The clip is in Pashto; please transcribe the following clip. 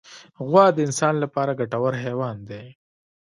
غوا د انسان لپاره ګټور حیوان دی.